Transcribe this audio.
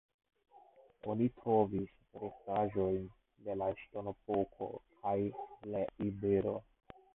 Oni trovis restaĵojn de la Ŝtonepoko kaj de iberoj.